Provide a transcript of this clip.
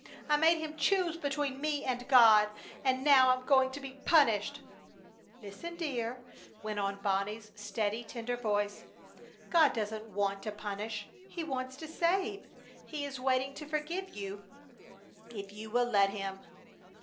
I made him choose between me and God! And now I'm going to be punished!" "Listen, dear!" went on Bonnie's steady, tender voice. "God doesn't want to punish. He wants to save. He is waiting to forgive you if you will let Him!"